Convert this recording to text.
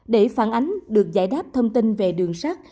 ba để phản ánh và được giải đáp thông tin về đường xác